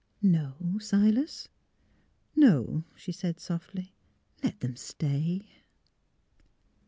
'' No, Silas; no," she said, softly. '* Let them — stay.